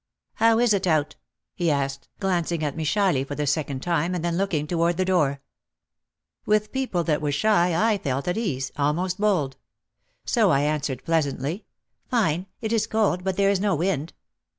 "How is it out ?" he asked, glancing at me shyly for OUT OF THE SHADOW 201 the second time and then looking toward the door. With people that were shy I felt at ease, almost bold. So I answered pleasantly, "Fine! It is cold, but there is no wind."